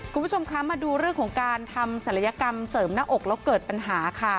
คุณผู้ชมคะมาดูเรื่องของการทำศัลยกรรมเสริมหน้าอกแล้วเกิดปัญหาค่ะ